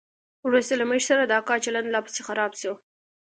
وروسته له موږ سره د اکا چلند لا پسې خراب سو.